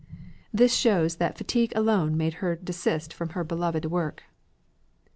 This shows that fatigue alone made her desist from her beloved work.